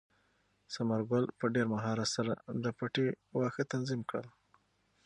ثمر ګل په ډېر مهارت سره د پټي واښه تنظیم کړل.